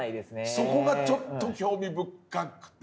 そこがちょっと興味深くて。